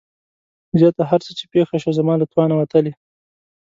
زياته هر څه چې پېښه شوه زما له توانه وتلې.